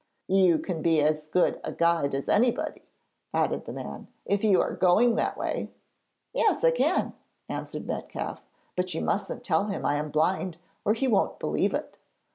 'You can be as good a guide as anybody,' added the man, 'if you are going that way.' 'Yes, I can,' answered Metcalfe; 'but you mustn't tell him I am blind, or he won't believe it.'